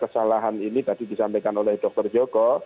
kesalahan ini tadi disampaikan oleh dr joko